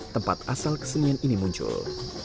tempat asal kesenian ini muncul